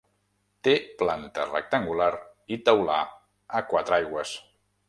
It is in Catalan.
Té planta rectangular i teular a quatre aigües.